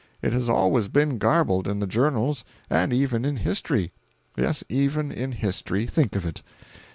It has always been garbled in the journals, and even in history. Yes, even in history—think of it!